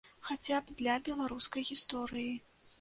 Хаця б для беларускай гісторыі.